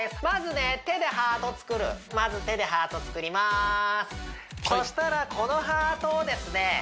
まずね手でハート作るまず手でハート作りますそしたらこのハートをですね